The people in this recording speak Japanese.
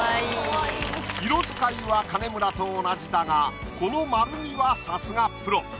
色使いは金村と同じだがこの丸みはさすがプロ。